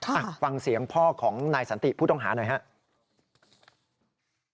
อ่ะฟังเสียงพ่อของนายสันติผู้ต้องหาหน่อยครับ